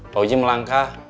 pak uji melangkah